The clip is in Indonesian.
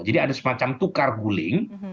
jadi ada semacam tukar guling